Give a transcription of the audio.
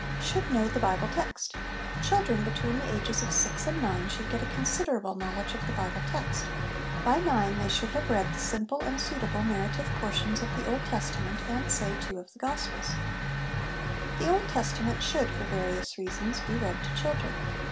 Should know the Bible Text. Children between the ages of six and nine should get a considerable knowledge of the Bible text. By nine they should have read the simple (and suitable) narrative portions of the Old Testament, and, say, two of the gospels. LESSONS AS INSTRUMENTS OF EDUCATION 249 The Old Testament should, for various reasons, be read to children.